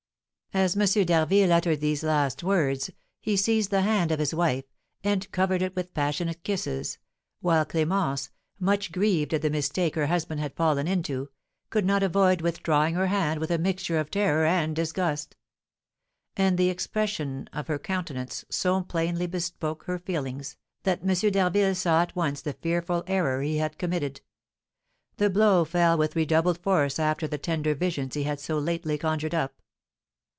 As M. d'Harville uttered these last words, he seized the hand of his wife, and covered it with passionate kisses; while Clémence, much grieved at the mistake her husband had fallen into, could not avoid withdrawing her hand with a mixture of terror and disgust. And the expression of her countenance so plainly bespoke her feelings, that M. d'Harville saw at once the fearful error he had committed. The blow fell with redoubled force after the tender visions he had so lately conjured up.